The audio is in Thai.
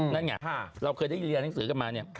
นั่นไงเราเคยได้เรียนเรียนหนังสือกันมา